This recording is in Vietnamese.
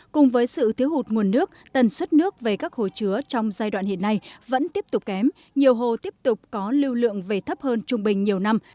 cùng với sự thiếu hụt nguồn nước tần suất nước về các hồ chứa trong giai đoạn hiện nay vẫn tiếp tục kém nhiều hồ tiếp tục có lưu lượng về thấp hơn trung bình nhiều năm